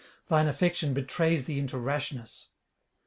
thine affection betrays thee into rashness.'